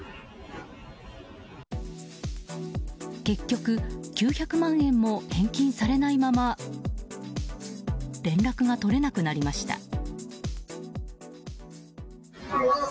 結局、９００万円も返金されないまま連絡が取れなくなりました。